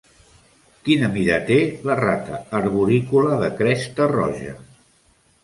Quina mida té la rata arborícola de cresta roja?